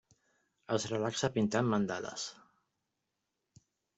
Es relaxa pintant mandales.